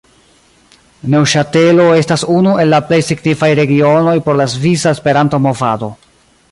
Neŭŝatelo estas unu el la plej signifaj regionoj por la svisa Esperanto-movado.